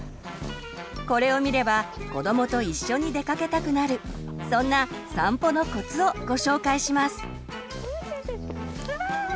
これを見れば子どもと一緒に出かけたくなるそんな散歩のコツをご紹介します。